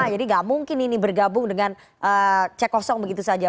jadi gak mungkin ini bergabung dengan cek kosong begitu saja